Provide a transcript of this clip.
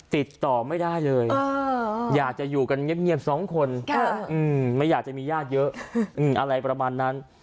ติดต่อไม่ได้เลยอยากจะอยู่กันเงียบสองคนไม่อยากจะมีญาติเยอะอะไรประมาณนั้น